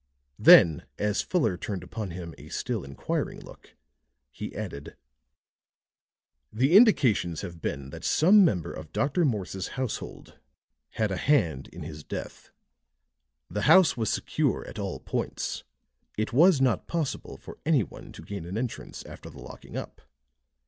Then as Fuller turned upon him a still inquiring look, he added: "The indications have been that some member of Dr. Morse's household had a hand in his death. The house was secure at all points; it was not possible for any one to gain an entrance after the locking up.